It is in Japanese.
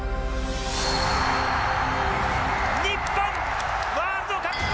日本ワールドカップ